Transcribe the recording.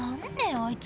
あいつ。